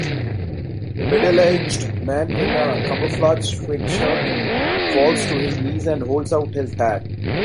A middleaged man in a camouflage sweatshirt falls to his knees and holds out his hat.